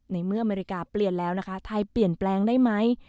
ในเมื่ออเมริกาเปลี่ยนแล้วนะคะไทยเปลี่ยนแปลงได้ไหม